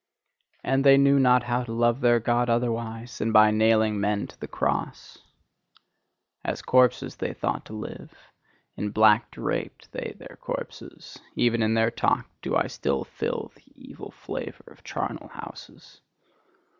And they knew not how to love their God otherwise than by nailing men to the cross! As corpses they thought to live; in black draped they their corpses; even in their talk do I still feel the evil flavour of charnel houses.